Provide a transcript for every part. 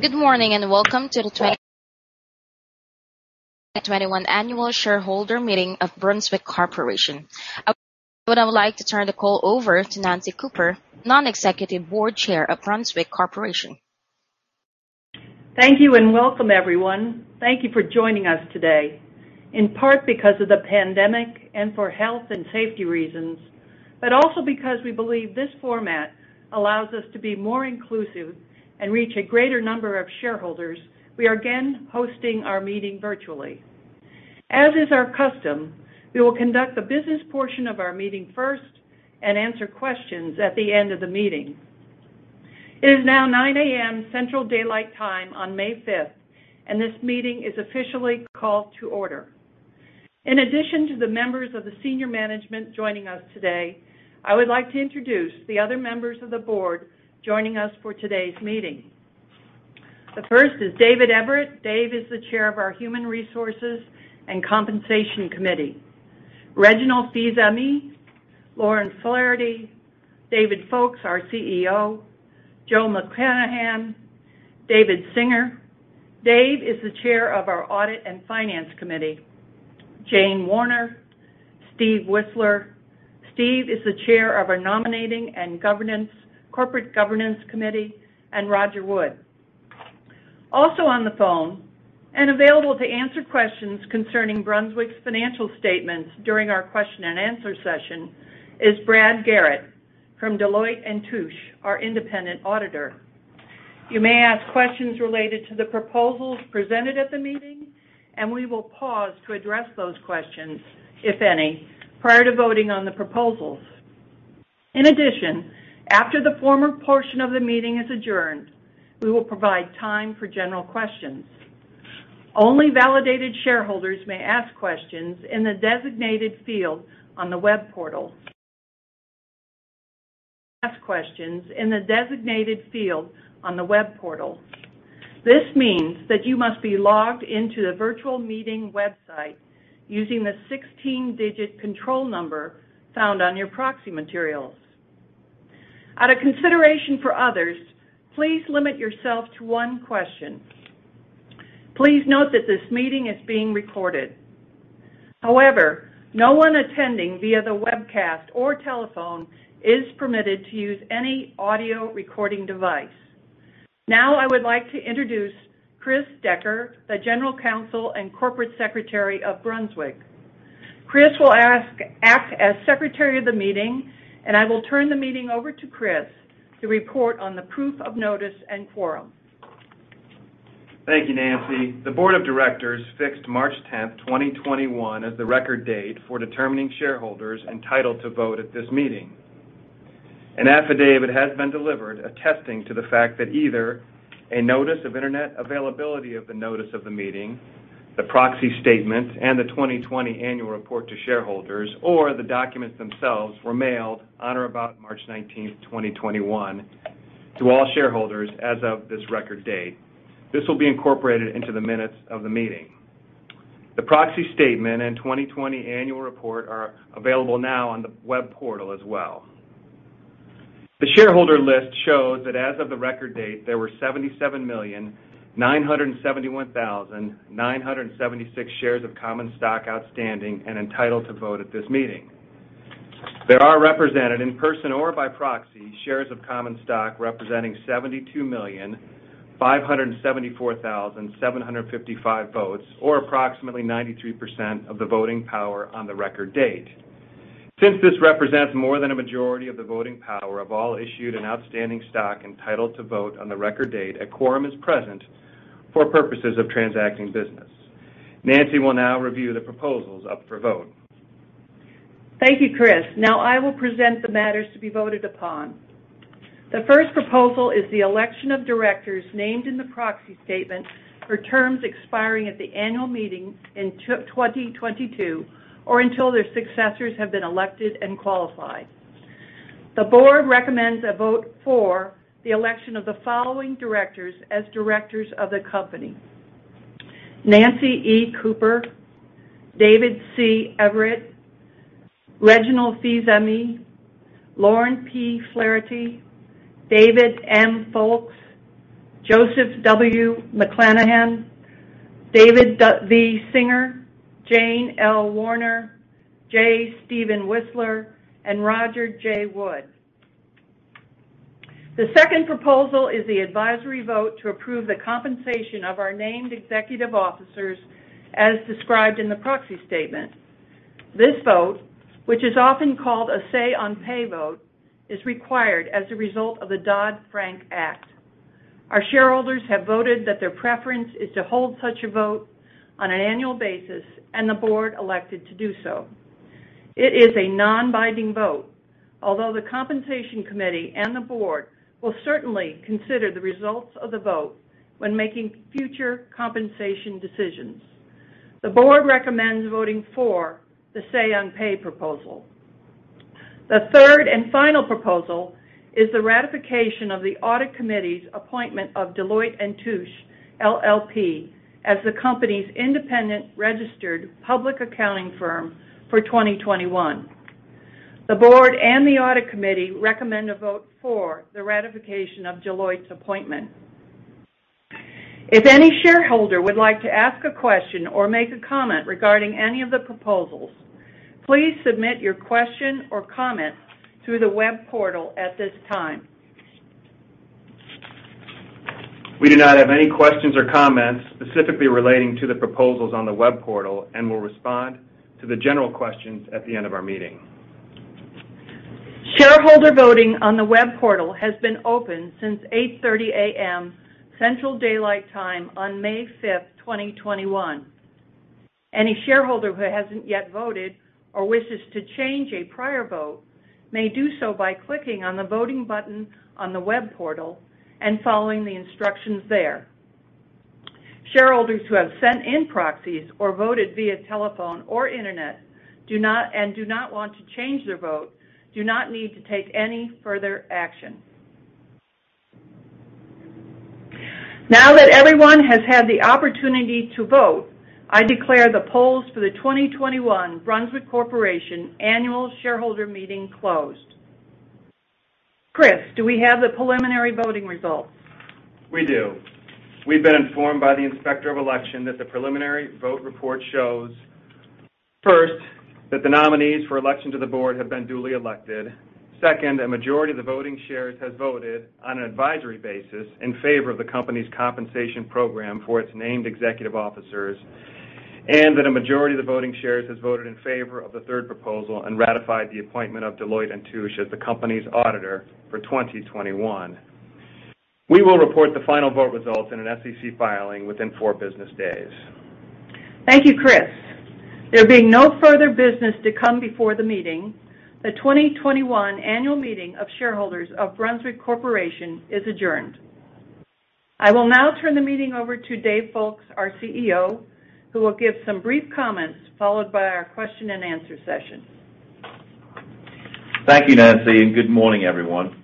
Good morning and welcome to the 2021 Annual Shareholder Meeting of Brunswick Corporation. I would now like to turn the call over to Nancy Cooper, Non-Executive Board Chair of Brunswick Corporation. Thank you and welcome, everyone. Thank you for joining us today, in part because of the pandemic and for health and safety reasons, but also because we believe this format allows us to be more inclusive and reach a greater number of shareholders. We are again hosting our meeting virtually. As is our custom, we will conduct the business portion of our meeting first and answer questions at the end of the meeting. It is now 9:00 A.M. Central Daylight Time on May 5, and this meeting is officially called to order. In addition to the members of the senior management joining us today, I would like to introduce the other members of the board joining us for today's meeting. The first is David Everitt. Dave is the Chair of our Human Resources and Compensation Committee. Reginald Fils-Aimé, Lauren Flaherty, David Foulkes, our CEO, Joseph McClanathan, David Singer. Dave is the Chair of our Audit and Finance Committee. Jane Warner, Steve Whisler. Steve is the Chair of our Nominating and Corporate Governance Committee, and Roger Wood. Also on the phone and available to answer questions concerning Brunswick's financial statements during our question and answer session is Brad Garrett from Deloitte & Touche, our independent auditor. You may ask questions related to the proposals presented at the meeting, and we will pause to address those questions, if any, prior to voting on the proposals. In addition, after the formal portion of the meeting is adjourned, we will provide time for general questions. Only validated shareholders may ask questions in the designated field on the web portal. Ask questions in the designated field on the web portal. This means that you must be logged into the virtual meeting website using the 16-digit control number found on your proxy materials. Out of consideration for others, please limit yourself to one question. Please note that this meeting is being recorded. However, no one attending via the webcast or telephone is permitted to use any audio recording device. Now, I would like to introduce Chris Dekker, the General Counsel and Corporate Secretary of Brunswick. Chris will act as Secretary of the Meeting, and I will turn the meeting over to Chris to report on the proof of notice and quorum. Thank you, Nancy. The Board of Directors fixed 10 March, 2021, as the record date for determining shareholders entitled to vote at this meeting. An affidavit has been delivered attesting to the fact that either a notice of internet availability of the notice of the meeting, the proxy statement, and the 2020 Annual Report to Shareholders, or the documents themselves, were mailed on or about 19 March, 2021, to all shareholders as of this record date. This will be incorporated into the minutes of the meeting. The proxy statement and 2020 Annual Report are available now on the web portal as well. The shareholder list shows that as of the record date, there were 77,971,976 shares of common stock outstanding and entitled to vote at this meeting. There are represented in person or by proxy shares of common stock representing 72,574,755 votes, or approximately 92% of the voting power on the record date. Since this represents more than a majority of the voting power of all issued and outstanding stock entitled to vote on the record date, a quorum is present for purposes of transacting business. Nancy will now review the proposals up for vote. Thank you, Chris. Now, I will present the matters to be voted upon. The first proposal is the election of directors named in the proxy statement for terms expiring at the annual meeting in 2022 or until their successors have been elected and qualified. The board recommends a vote for the election of the following directors as directors of the company: Nancy E. Cooper, David C. Everitt, Reginald Fils-Aimé, Lauren P. Flaherty, David M. Foulkes, Joseph W. McClanathan, David V. Singer, Jane L. Warner, J. Steven Whisler, and Roger J. Wood. The second proposal is the advisory vote to approve the compensation of our named executive officers as described in the proxy statement. This vote, which is often called a say-on-pay vote, is required as a result of the Dodd-Frank Act. Our shareholders have voted that their preference is to hold such a vote on an annual basis, and the board elected to do so. It is a non-binding vote, although the Compensation Committee and the board will certainly consider the results of the vote when making future compensation decisions. The board recommends voting for the say-on-pay proposal. The third and final proposal is the ratification of the audit committee's appointment of Deloitte & Touche LLP as the company's independent registered public accounting firm for 2021. The board and the audit committee recommend a vote for the ratification of Deloitte's appointment. If any shareholder would like to ask a question or make a comment regarding any of the proposals, please submit your question or comment through the web portal at this time. We do not have any questions or comments specifically relating to the proposals on the web portal and will respond to the general questions at the end of our meeting. Shareholder voting on the web portal has been open since 8:30 A.M. Central Daylight Time on 5 May, 2021. Any shareholder who hasn't yet voted or wishes to change a prior vote may do so by clicking on the voting button on the web portal and following the instructions there. Shareholders who have sent in proxies or voted via telephone or internet and do not want to change their vote do not need to take any further action. Now that everyone has had the opportunity to vote, I declare the polls for the 2021 Brunswick Corporation Annual Shareholder Meeting closed. Chris, do we have the preliminary voting results? We do. We've been informed by the inspector of election that the preliminary vote report shows, first, that the nominees for election to the board have been duly elected. Second, a majority of the voting shares has voted on an advisory basis in favor of the company's compensation program for its named executive officers, and that a majority of the voting shares has voted in favor of the third proposal and ratified the appointment of Deloitte & Touche as the company's auditor for 2021. We will report the final vote results in an SEC filing within four business days. Thank you, Chris. There being no further business to come before the meeting, the 2021 Annual Meeting of Shareholders of Brunswick Corporation is adjourned. I will now turn the meeting over to Dave Foulkes, our CEO, who will give some brief comments followed by our question and answer session. Thank you, Nancy, and good morning, everyone.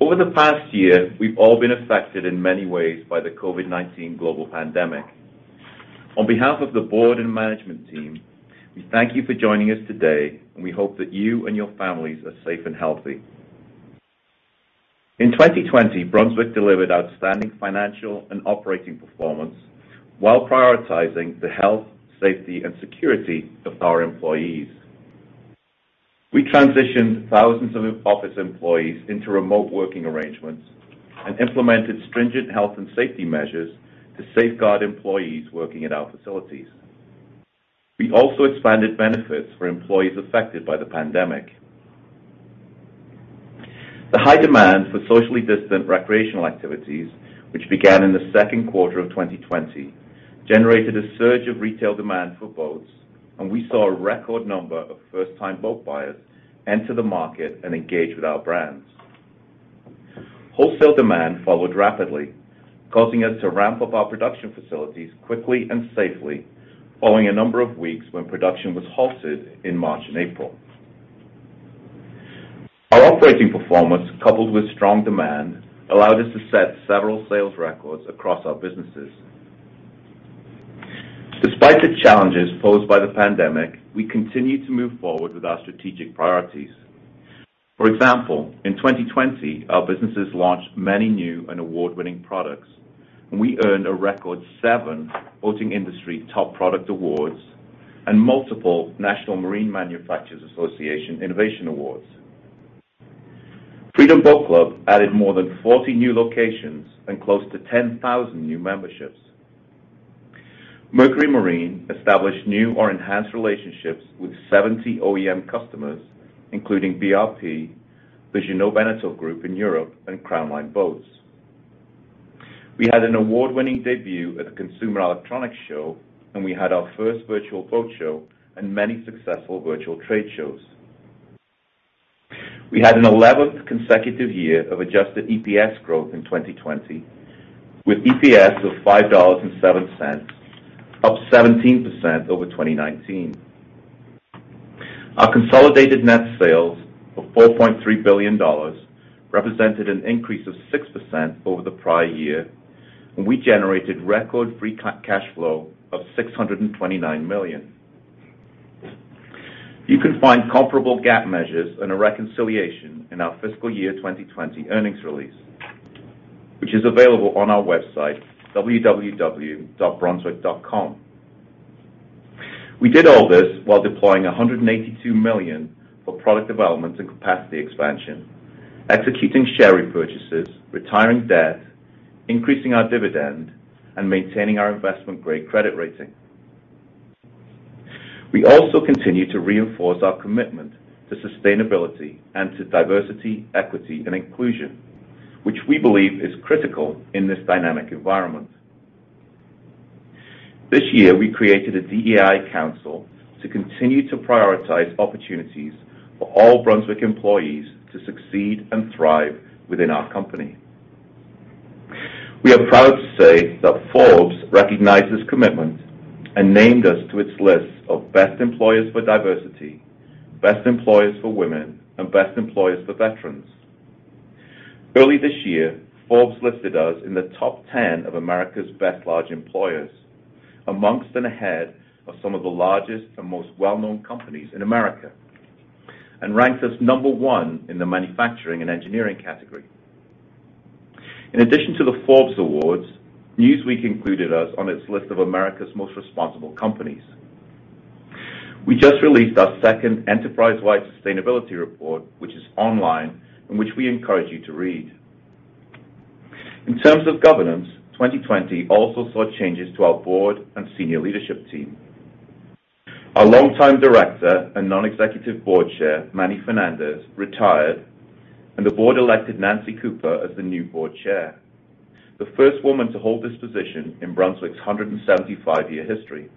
Over the past year, we've all been affected in many ways by the COVID-19 global pandemic. On behalf of the board and management team, we thank you for joining us today, and we hope that you and your families are safe and healthy. In 2020, Brunswick delivered outstanding financial and operating performance while prioritizing the health, safety, and security of our employees. We transitioned thousands of office employees into remote working arrangements and implemented stringent health and safety measures to safeguard employees working at our facilities. We also expanded benefits for employees affected by the pandemic. The high demand for socially distant recreational activities, which began in Q2 of 2020, generated a surge of retail demand for boats, and we saw a record number of first-time boat buyers enter the market and engage with our brands. Wholesale demand followed rapidly, causing us to ramp up our production facilities quickly and safely following a number of weeks when production was halted in March and April. Our operating performance, coupled with strong demand, allowed us to set several sales records across our businesses. Despite the challenges posed by the pandemic, we continue to move forward with our strategic priorities. For example, in 2020, our businesses launched many new and award-winning products, and we earned a record seven Boating Industry Top Product Awards and multiple National Marine Manufacturers Association Innovation Awards. Freedom Boat Club added more than 40 new locations and close to 10,000 new memberships. Mercury Marine established new or enhanced relationships with 70 OEM customers, including BRP, the Jeanneau Beneteau Group in Europe, and Crownline. We had an award-winning debut at the Consumer Electronics Show, and we had our first virtual boat show and many successful virtual trade shows. We had an 11th consecutive year of adjusted EPS growth in 2020, with EPS of $5.07, up 17% over 2019. Our consolidated net sales of $4.3 billion represented an increase of 6% over the prior year, and we generated record free cash flow of $629 million. You can find comparable GAAP measures and a reconciliation in our fiscal year 2020 earnings release, which is available on our website, www.brunswick.com. We did all this while deploying $182 million for product development and capacity expansion, executing share repurchases, retiring debt, increasing our dividend, and maintaining our investment-grade credit rating. We also continue to reinforce our commitment to sustainability and to diversity, equity, and inclusion, which we believe is critical in this dynamic environment. This year, we created a DEI Council to continue to prioritize opportunities for all Brunswick employees to succeed and thrive within our company. We are proud to say that Forbes recognized this commitment and named us to its list of Best Employers for Diversity, Best Employers for Women, and Best Employers for Veterans. Early this year, Forbes listed us in the top 10 of America's best large employers, amongst and ahead of some of the largest and most well-known companies in America, and ranked us number one in the Manufacturing and Engineering category. In addition to the Forbes Awards, Newsweek included us on its list of America's most responsible companies. We just released our second enterprise-wide sustainability report, which is online and which we encourage you to read. In terms of governance, 2020 also saw changes to our board and senior leadership team. Our longtime director and non-executive board chair, Manny Fernandez, retired, and the board elected Nancy Cooper as the new board chair, the first woman to hold this position in Brunswick's 175-year history.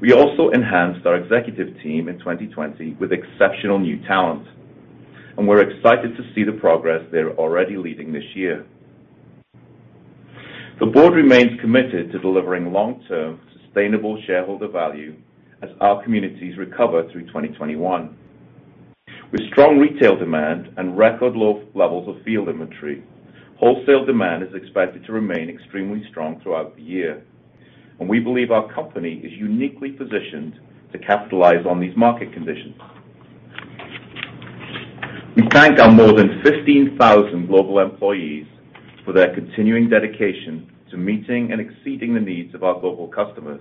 We also enhanced our executive team in 2020 with exceptional new talent, and we're excited to see the progress they're already leading this year. The board remains committed to delivering long-term sustainable shareholder value as our communities recover through 2021. With strong retail demand and record levels of field inventory, wholesale demand is expected to remain extremely strong throughout the year, and we believe our company is uniquely positioned to capitalize on these market conditions. We thank our more than 15,000 global employees for their continuing dedication to meeting and exceeding the needs of our global customers,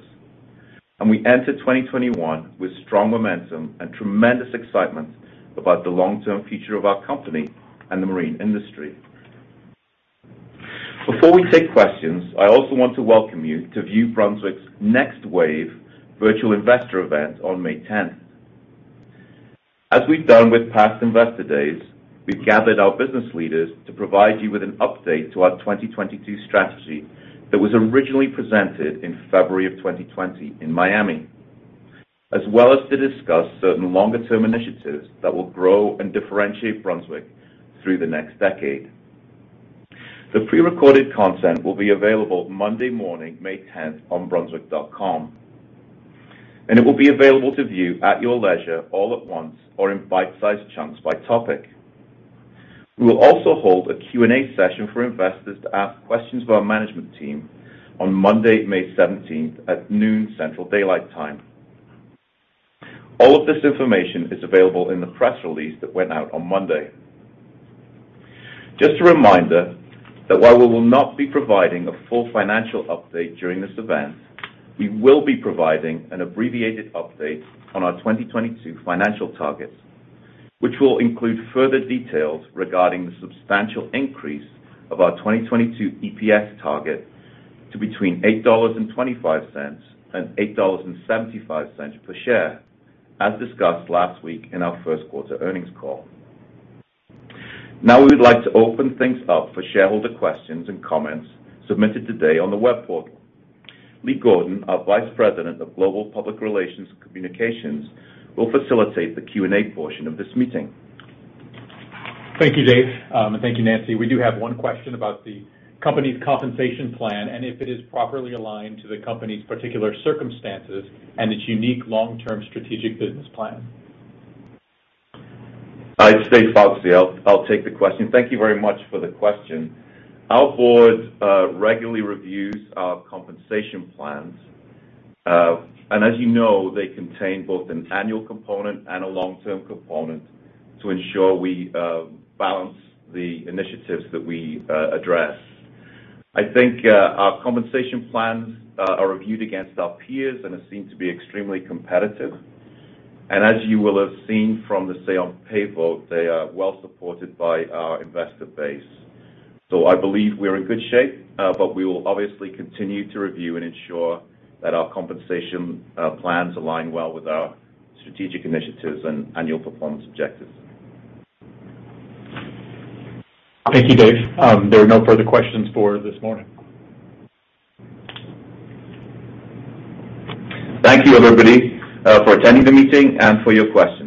and we enter 2021 with strong momentum and tremendous excitement about the long-term future of our company and the marine industry. Before we take questions, I also want to welcome you to view Brunswick's Next Wave virtual investor event on 10 May 10th. As we've done with past investor days, we've gathered our business leaders to provide you with an update to our 2022 strategy that was originally presented in February of 2020 in Miami, as well as to discuss certain longer-term initiatives that will grow and differentiate Brunswick through the next decade. The prerecorded content will be available Monday morning, 10 May, on Brunswick.com, and it will be available to view at your leisure all at once or in bite-sized chunks by topic. We will also hold a Q&A session for investors to ask questions of our management team on Monday, 17 May, at noon Central Daylight Time. All of this information is available in the press release that went out on Monday. Just a reminder that while we will not be providing a full financial update during this event, we will be providing an abbreviated update on our 2022 financial targets, which will include further details regarding the substantial increase of our 2022 EPS target to between $8.25 and $8.75 per share, as discussed last week in our Q1 Earnings Call. Now we would like to open things up for shareholder questions and comments submitted today on the web portal. Lee Gordon, our Vice President of Global Public Relations and Communications, will facilitate the Q&A portion of this meeting. Thank you, Dave, and thank you, Nancy. We do have one question about the company's compensation plan and if it is properly aligned to the company's particular circumstances and its unique long-term strategic business plan. Dave Foulkes, will take the question. Thank you very much for the question. Our board regularly reviews our compensation plans, and as you know, they contain both an annual component and a long-term component to ensure we balance the initiatives that we address. I think our compensation plans are reviewed against our peers and have seemed to be extremely competitive, and as you will have seen from the say-on-pay vote, they are well supported by our investor base. So I believe we're in good shape, but we will obviously continue to review and ensure that our compensation plans align well with our strategic initiatives and annual performance objectives. Thank you, Dave. There are no further questions for this morning. Thank you, everybody, for attending the meeting and for your questions.